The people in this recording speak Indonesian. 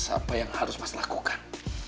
apa yang harus mas lakukan